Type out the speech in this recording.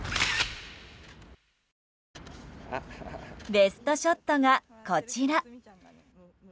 ベストショットが、こちら。